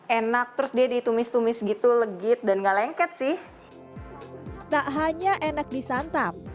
enak terus jadi tumis tumis gitu legit dan galeng tanto hai tak hanya enak dua puluh dua uhm hai nggak bisa